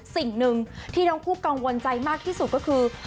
สิ่งหนึ่งที่ทั้งคู่กังวลใจมากที่สุดก็คือ